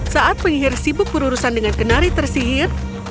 saat penyihir sibuk berurusan dengan kenari tersihir